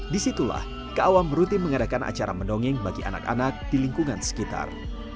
disitulah keawam rutin mengadakan acara mendongeng bagi anak anak di lingkungan sekitar